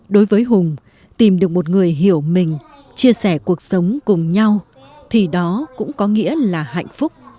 đối với hùng tìm được một người hiểu mình chia sẻ cuộc sống cùng nhau thì đó cũng có nghĩa là hạnh phúc